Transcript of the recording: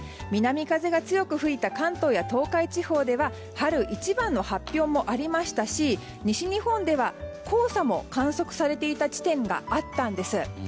南風が強く吹いた関東・東海地方では春一番の発表もありましたし西日本では黄砂も観測されていた地点があったんです。